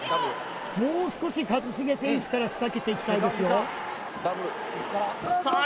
もう少し一茂選手から仕掛けていきたいですよさあ